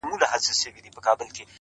o د هوښيار سړي غبر گ غاښونه وزي٫